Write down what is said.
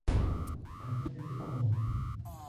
ایسے کیسے بتاؤں؟